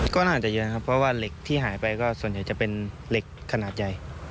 ก็น่าจะเยอะครับเพราะว่าเหล็กที่หายไปก็ส่วนใหญ่จะเป็นเหล็กขนาดใหญ่